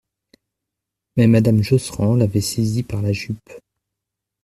Mais madame Josserand l'avait saisie par la jupe.